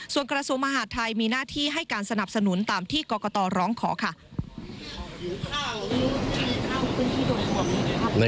ส่วนกระทรวงมหาดไทยมีหน้าที่ให้การสนับสนุนตามที่กรกตร้องขอค่ะ